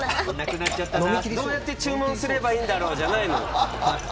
どうやって注文すればいいんだろうじゃないのよ。